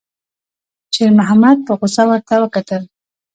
شېرمحمد په غوسه ورته وکتل.